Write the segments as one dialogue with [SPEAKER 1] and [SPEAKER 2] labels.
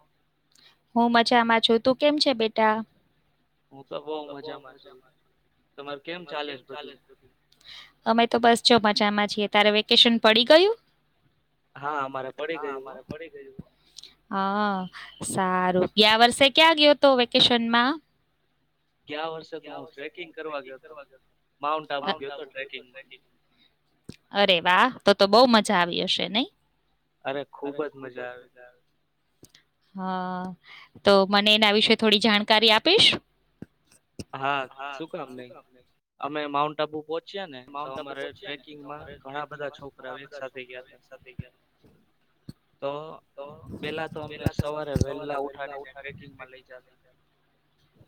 [SPEAKER 1] [inaudible] હુંમ મજા માં છું. તું કેમ છે બેટા?
[SPEAKER 2] હું તો બઉ મજામાં છું. તમારે
[SPEAKER 1] [inaudible] અમે તો બસ મજામાં છીએ તારે વેકેશન પડી ગયું.
[SPEAKER 2] હા મારે પડી ગયું. હો
[SPEAKER 1] હા હા સારું ગયા વર્ષે ક્યાં ગયો હતો? વેકેશનમાં
[SPEAKER 2] ગયા વર્ષે તો હું ટ્રેકિંગ કરવા
[SPEAKER 1] [inaudible] અરે વા. ત તો બહુ મજા આવી હશે નહી. [unintelligible] હા તો મને એના વિશે થોડી જાણકારી આપીશ?
[SPEAKER 2] હા શું [unintelligible] અમે માઉન્ટ ટાબુ બો જ પહુંચયા ને તો અમારે ટ્રેકિંગમાં ઘણા બધા છોકરાઓ એક સાથે ગયા હતા. તો પેલા તો અમને સવારે વેલા ઉઠાડીને ટ્રેકિંગમાં લઈ જતા.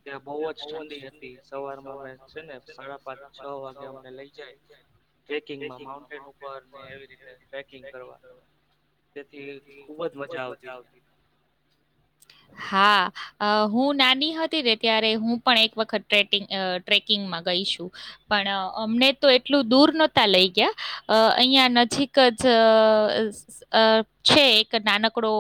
[SPEAKER 2] ત્યા બઉ જ ઠંડી હતી. સવારમાં [unintelligible] છે ને સાડા પાંચ છ વાગે અમને લઈ
[SPEAKER 1] [inaudible] હા અ હું નાની હતી ને ત્યારે હું પણ એક વખત ટ્રેકિંગ ટ્રેકિંગમાં ગઈશું. પણ અમને તો એટલું દૂર નતા લઈ ગયા. અ અંયા નજીક જ અ છે. એક નાનકડો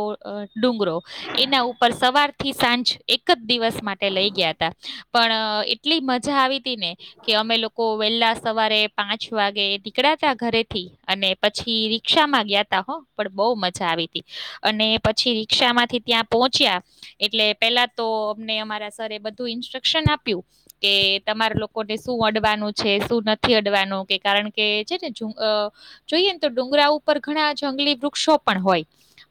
[SPEAKER 1] ડુંગરો એના ઉપર સવાર થી સાંજ એક જ દિવસ માટે લઈ ગયા હતા. પણ એટલી મજા આવી ને કે અમે લોકો વેલા સવારે પાંચ વાગે નીકડાતા ઘરેથી અને પછી રિક્ષામાં ગયા ત હો પણ બહુ મજા આવી હતી અને પછી કિક્ષા માંથી ત્યાં પહોંચ્યા એટલે પેલા તો અમને અમારા સરએ બધું ઇન્સ્ટ્રક્શન આપ્યું કે તમારા લોકોને શું? અડવાનું છે શું નથી? અડવાનો કારણ કે જે ને જોઈએને તો ડુંગરા ઉપર ઘણા જંગલી વૃક્ષો પણ હોય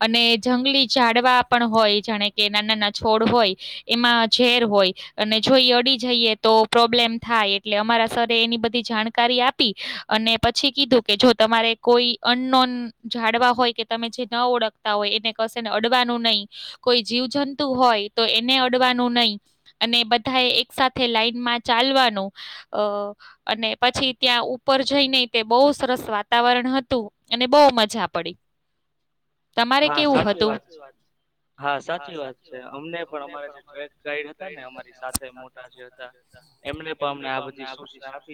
[SPEAKER 1] અને જંગલી ઝડવા પણ હોય જાણે કે નાનાના છોડ હોય એમાં ઝેર હોય અને જોઈ અડી જઈએ તો પ્રોબ્લેમ થાય એટલે અમારા સરે એની બધી જાણકારી આપી અને પછી કીધું કે જો તમારે કોઈ અન નોન જાડવા હોય કે તમે જે ન ઓળખતા હોય એને કશેને અડવાનું નહી. કોઈ જીવજંતુ હોય તો એને અડવાનું નહી અને બધા એ એક સાથે લાઈનમાં ચાલવાનું. અ અને પછી ત્યાં ઉપર જઈને તે બહુ સરસ વાતાવરણ હતું અને બહુ મજા પડી. તમા કેવું હતું?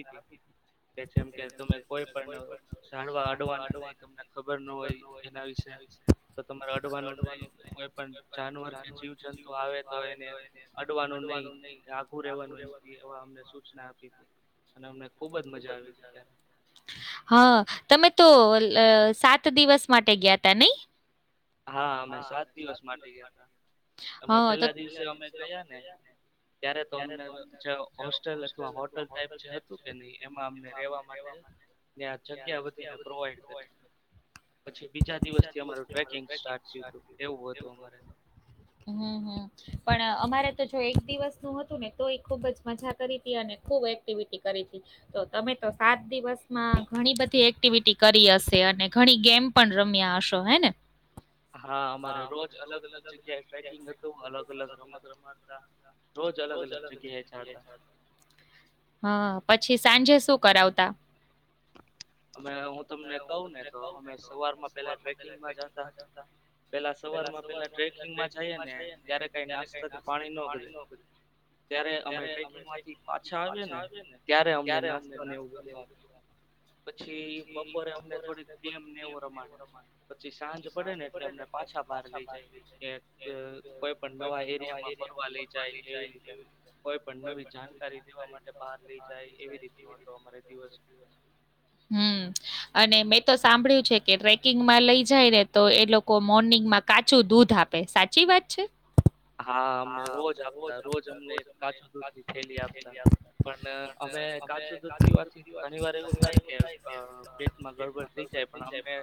[SPEAKER 1] [inaudible]
[SPEAKER 2] કે જેમ કે તમે કોઈ પણ જાણવા અડવાના નહી. તમને ખબર ન હોય એના વિશે તો તમારે અડવાનું નહી કોઈ પણ જાનવર કે જીવજંતુ આવે તો એને અડવાનું નહી. આઘું રેવાનું એમ અમને સૂચના આપી હતી.
[SPEAKER 1] [inaudible] હા તમે તો સાત દિવસ માટે ગયા તા નહી
[SPEAKER 2] હા અમે સાત દિવસ માટે ગયા હતા. એમાં પેલા દિવસે અમે ગયા ને ત્યારે તો અમને જે હોસ્ટેલ અથવા હોટલ ટાઈપ જે કે નહી એમાં અમને રેવા માટે ત્યાં જગ્યા વધીને પ્રોવાઈડ કરી. પછી બીજા દિવસથી અમાર ટ્રેક્
[SPEAKER 1] [inaudible] હ્ હ પણ અમારે તો જો એક દિવસનું હતુંને તો એ ખૂબ જ મજા કરી હતી અને ખૂબ એક એકટીવિટી કરી હતી તો તમે તો સાત દિવસમાં ઘણી બધી એક્ટિવિટી કરી હશે અને ઘણી ગેમ પણ રમ્યા હશો હે ને?
[SPEAKER 2] હા અમારે રોજ અલગ અલગ જગ્યાએ ટ્રેકિંગ હતું અલગ અલગ રમત રમાતા.
[SPEAKER 1] [inaudible] હા પછી થી સાંજે શું કરાવતા?
[SPEAKER 2] અમે હું તમને કહું ને તો અમે સવારમાં પેલા ટ્રેકિંગમાં જતા. પેલા સવારમાં પેલા ટ્રેકિંગમાં જઈએ ને ત્યારે કઈ નાસ્તાથી પાણી નો કરે. જયારે અમે ટ્રેકિંગમાંથી પાછા આવીએને ત્યારે અમને નાસ્તાને એવું બધું આપે [inaudible] બપોરે અમને થોડીક ગેમ ને એવો રમાડે. પછી સાંજ પડે ને એટલે અમને પાછા બહાર લઈ જાય કે કોઈ પણ નવા એરિયામાં ફરવા લઈ જાય કે એવી રીતે કોઈ પણ નવી જાણકારી દેવા માટે બહાર લઈ જાય એવી રીતના હતું અમારે દિવસ
[SPEAKER 1] હમ અને મેં તો સાંભળ્યું છે કે ટ્રેકિંગમાં લઈ જાય ને તો એ લોકો મોર્નિંગમાં કાચું દૂધ આપે. સાચી વાત છે?
[SPEAKER 2] હા અમને રોજ આપતા રોજ અમને કાચું દૂધ ની થેલી આપતા. પણ અમે કાચું દૂધ પીવાથી ઘણી વાર એવું થાય કે પેટમાં ગડબડ થઈ જાય પણ અમને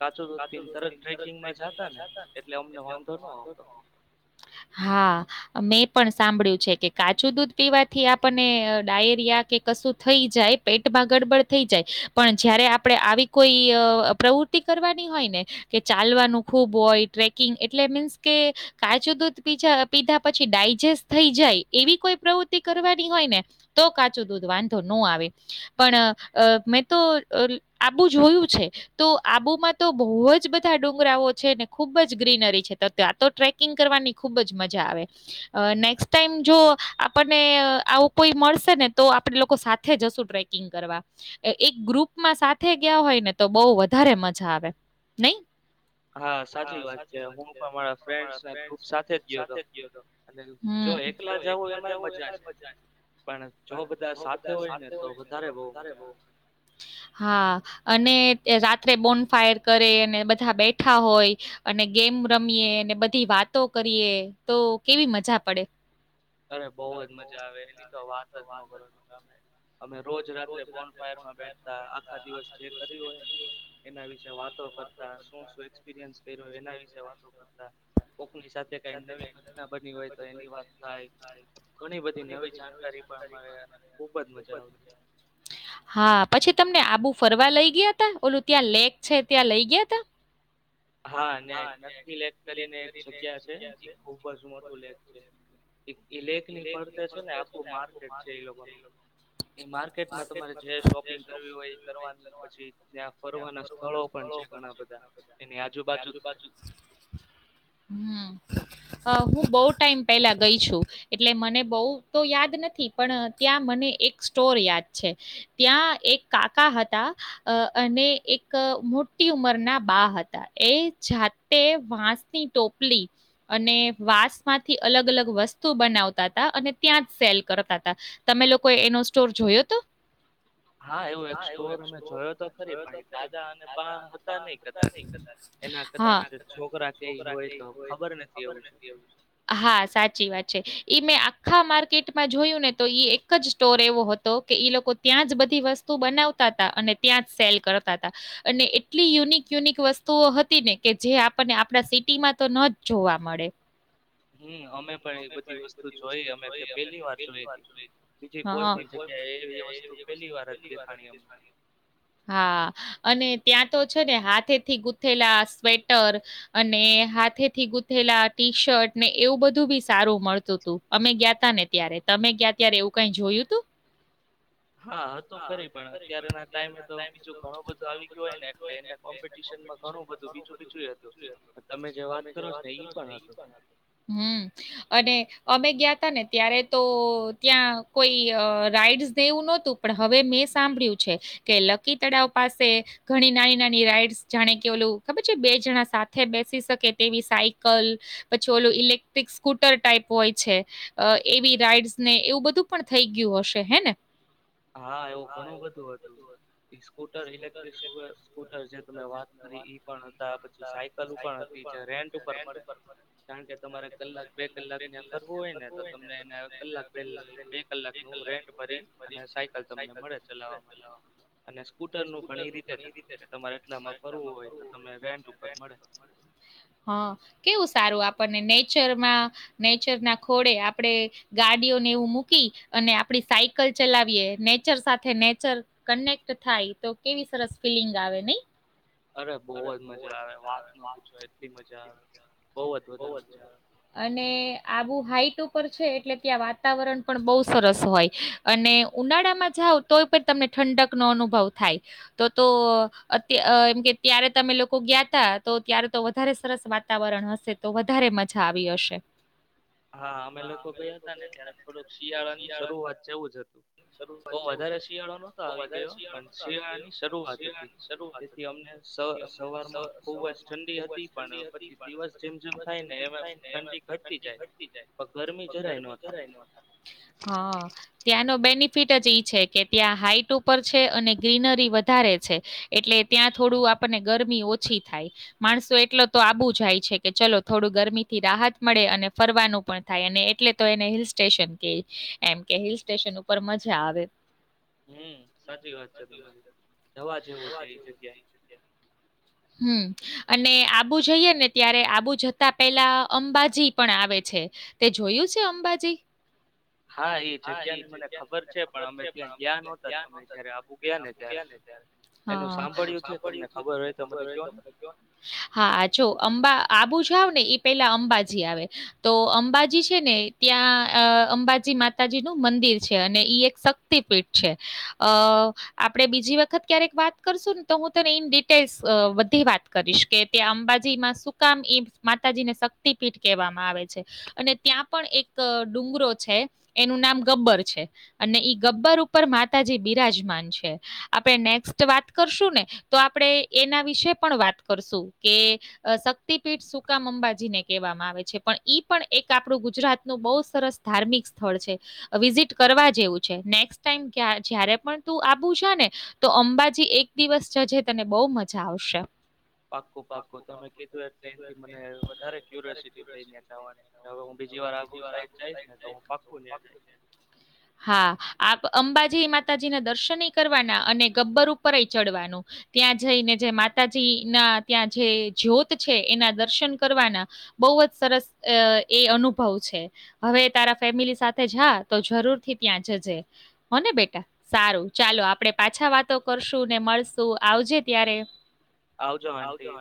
[SPEAKER 2] કાચું દૂધ પીને તરત ટ્રેકિંગમાં જતા ને એટલે અમને વાંધો ન આવતો.
[SPEAKER 1] હા. મેં પણ સાંભળ્યું છે કે કાચું દૂધ પીવાથી આપણને ડાયેરિયા કે કશું થઈ જાય, પેટમાં ગડબડ થઈ જાય પણ જયારે આપણે આવી કોઈ પ્રવૃત્તિ કરવાની હોય ને કે ચાલવાનું ખૂબ હોય ટ્રેકિંગ એટલે મીન્સ કે કાચું દૂધ પીજા પીધા પછી ડાયજેસ્ટ થઈ જાય એવી કોઈ પ્રવૃતિ કરવાની હોય ને તો કાચું દૂધ વાંધો ન આવે. પણ મેં તો આબુ જોયું છે. તો આબુમાં તો બહુ જ બધા ડુંગરાઓ છે ને ખુબ જ ગ્રીનરી છે. તો ત્યાં તો ટ્રેકિંગ કરવાની ખુબ જ મજા આવે. નેક્સ્ટ ટાઈમ જો આપણને આવું કોઈ મળશે ને તો આપડે લોકો સાથે જશું ટ્રેકિંગ કરવા. એક ગ્રુપમાં સાથે ગયા હોય ને તો બહુ વધારે મજા આવે નહી?
[SPEAKER 2] હા સાચી વાત છે હું પણ મારા ફ્રેન્ડ ને ગ્રુપ સાથે જ
[SPEAKER 1] હમ્મ હા. અને રાત્રે બોન ફાયર કરે અને બધા બેઠા હોય અને ગેમ રમીએ અને બધી વાતો કરીએ તો કેવી મજા પડે.
[SPEAKER 2] અરે બહુ જ મજા આવે એની તો વાત
[SPEAKER 1] ત વાત જ
[SPEAKER 2] અમે રોજ રાત્રે બોન ફાયર માં બેઠતા, આખા દિવસ જે કર્યું હોય ને એના વિશે વાતો કરતા, શું શું એક્સપિરિયન્સ કર્યું હોય એના વિશે વાતો કરતા, કોકની સાથે કઈ નવી ઘટના બની હોય તો એની વાત થાય. ઘણી બધી નવી જાણકારી પણ મળે. અને ખુબ જ મજા આવતી.
[SPEAKER 1] હા. પછી તમને આબુ ફરવા લઈ ગયા તા? ઓલું ત્યાં લેક છે ત્યાં લઈ ગયા તા?
[SPEAKER 2] હા, ને નખી લેક કરીને એક જગ્યા છે, ખુબ જ મોટું લેક છે. એ લેક ની ફરતે છે ને આખું માર્કેટ છે એ લોકોનું. એ માર્કેટમાં તમારે જે શોપિંગ કરવી હોય એ કરવાની, પછી ત્યાં ફરવાના સ્થળો પણ છે ઘણા બધા.
[SPEAKER 1] એની આજુબાજુ હમ્મ હું બઉ ટાઈમ પેલા ગઈ છું. એટલે મને બહુ તો યાદ નથી. પણ ત્યાં મને એક સ્ટોર યાદ છે, ત્યાં એક કાકા હતા અ અને એક મોટી ઉંમરના બા હતા એ જાતે વાંસની ટોપલી અને વાંસ માંથી અલગ અલગ વસ્તુ બનાવતાંતા અને ત્યાં જ સેલ કરતા હતા. તમે લોકો એનો સ્ટોર જોયો તો? હા એવો એક સ્ટોર અમે જોયો તો ખરી પણ એ દાદા અને બા હતા નહી કદાચ એના કદાચ છોકરા કઈ હોય તો ખબર નથી એવું છે. તે ઈ મેં આખા માર્કેટમાં જોયું ને તો એક જ સ્ટોર એવો હતો કે ઈ લોકો ત્યાં જ બધી વસ્તુ બનાવતાતા અને ત્યાં જ સેલ કરતા હતા. અને એટલી યુનિક યુનિક વસ્તુઓ હતી ને કે જે આપને આપણા સિટીમાં તો ન જ જોવા મળે. હમ. અમે પણ એ બધી વસ્તુ જોઈ અમે જે પહેલી વાર જોઈ. હં. બીજી કોઈ પણ જગ્યા એ વસ્તુ પેલી વાર જ દેખાણી અમને. હા, અને ત્યાં તો છે ને હાથે થી ગૂથેલા સ્વેટર, અને હાથે થી ગૂથેલા ટી શર્ટ ને એવું બધું બી સારું મળતું તું, અમે ગયાતા ને ત્યારે. તમે ગયા ત્યારે એવું કઈ જોયું તું? હા હતું ખરી પણ અત્યારે ના ટાઈમે તો બીજું ઘણું બધું આવી ગયું હોય ને એટલે એને કોમ્પિટિશનમાં ઘણું બધું બીજું બીજું હતું પણ તમે જે વાત કરો છ ને ઈ પણ હતું. તને ત્યારે તો ત્યાં કોઈ રાઈડસ ને એવુ નહોતું. પણ હવે મેં સાંભળ્યું છે કે લકી તળાવ પાસે ઘણી નાની નાની રાઈડ્સ જાણે કે ઓલું ખબર છે બે જણા સાથે બેસી શકે તેવી સાયકલ, પછી ઓલું ઇલેક્ટ્રિક સ્કૂટર ટાઈપ હોય છે એવી રાઈડ્સ ને એવું બધું પણ થઈ ગયું હશે. હે ને?
[SPEAKER 2] હા એવું ઘણું બધું હતું. સ્કૂટર, લેક્ટ્રિક સ્કૂટર, જે તમે વાત કરી ઈ પણ હતા. પછી સાયકલુ પણ હતી. રેન્ટ ઉપર મળે કારણ કે તમારે કલાક બે કલાકને ફરવું હોય ને તો તમને એને કલાક બ બે કલાકનું રેન્ટ ભરી અને સાયકલ તમને મળે ચલાવવા માટે અને સ્કૂટર નું પણ એ રીતે જ હતું કે તમારે
[SPEAKER 1] હા કેવું સારું આપડ અને નેચરમાં નેચર ના ખોડે આપણેે ગાડીઓને એવું મૂકી અને આપડી સાયકલ ચલાવીએ નેચર સાથે નેચર કનેક્ટ થાય તો કેવી સરસ ફીલિંગ આવે નહી.
[SPEAKER 2] અરે બહ જ મજા આવે વાત ન પૂછો એટલી મજા આવે.
[SPEAKER 1] અને આબૂ હાઈટ ઉપ ઉપર છે એટલે ત્યાં વાતાવરણ પણ બહુ સરસ હોય અને ઉનાળામાં જાવ તોય પણ તમને ઠંડક નો અનુભવ થાય તો તો અત એમ કે ત્યારે તમે લોકો ગયા ત તો ત્યારે તો વધારે સરસ વાતાવરણ હશે. તો વધારે મજા આવી હશે
[SPEAKER 2] હા અમે લોકો ગયા હતા ને ત્યારે થોડુંક શિયાળા ની શરૂઆત જેવું જ હતું બો વધારે શિયાળો નતો આવી ગયો પણ શિયાળાની શરૂઆત હતી તેથી અમને સ સવારમાં ખુબ જ ઠંડી હતી પણ પછી દિવસ જેમ જેમ થાય ને એમ એમ ઠંડી ઘટતી જાય
[SPEAKER 1] ગરમી જરાય નો હતા હ ધ્યાનો બેની ફીટ જ ઈ છે કે ત્યાં હાઈટ ઉપર છે અને ગ્રીનરી વધારે છે એટલે ત્યાં થોડું આપણને ગરમી ઓછી થાય માણસો એટલો તો આબું જાય છે કે ચલો થોડું ગરમી થી રાહત મળે અને ફરવાનું પણ થાય અને એટલે તો એને હિલ સ્ટેશન કે એમ કે હિલ સ્ટેશન ઉપર પર મજા આવે
[SPEAKER 2] હમ્મ સાચી વાત છે તમારી જવા
[SPEAKER 1] જવા જોવું જે છે એ જગ્યા હમ્મ અને આબુ જઈએ ને ત્યારે આબુ જતા પેલા અંબાજી પણ આવે છે તે જોયું છે અંબાજી
[SPEAKER 2] હા એ જગ્યા ની મને ખબર છે પણ અમે ત્યાં ગયા નહોતા અમે જયારે આબુ ગયા ને ત્યારે એનું સાંભળ્યું છે તમને ખબર હોય
[SPEAKER 1] હા અંબા આબુજ જાવ ને એ પેલા અંબાજી આવે તો અંબાજી છે ને ત્યાં અંબાજી માતાજી નું મંદિર છે અને ઈ એક શક્તિપીઠ છે અ આપડે બીજી વખત ક્યારેક વાત કરશું ને તો હું તને ઈન ડિટેલ્સ બધી વાત કરીશ કે ત્યાં અંબાજીમાં સુકામ એ માતાજીને શક્તિપીઠ કહેવામાં આવે છે અને ત્યાં પણ એક ડુંગરો છે એનું નામ ગબ્બર છે અને ઈ ગબ્બર ઉપર માતાજી બિરાજમાન છે આપણે નેક્સ્ટ વાત કરશું ને તો આપણે એના વિશે પણ વાત કરશું કે શક્તિ પીઠ સુ કામ અંબાજીને કહેવામાં આવે છે પણ ઈ પણ એક આપણું ગુજરાતનું બો સરસ ધાર્મિક સ્થળ છે વિઝિટ કરવા જેવું છે નેક્સ્ટ ટાઈમ જયારે પણ તું આવુ છે ને તો અંબાજી એક દિવસ જજે તને બહ મજ જાવશે અંબાજી માતાજીના દર્શન કરવાના અને ગબ્બર ઉપર ચડવાનું ત્યાં જઈને જે માતાજી ના ત્યાં જે જ્યોત છે એના દર્શન કરવાના બહુ જ સરસ એ અનુભવ છે હવે તારા ફેમિલી સાથે જા તો જરૂર થી ત્યાં જજે હોને બેટા સારું ચાલો આપણેે પાછા વાતો કરશું ને મળશું આવજે ત્યારે
[SPEAKER 2] આવજો આંટી